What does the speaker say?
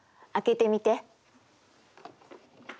開けてみて。